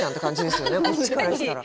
こっちからしたら。